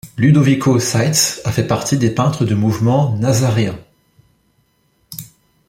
Ludovico Seitz a fait partie des peintres du mouvement nazaréen.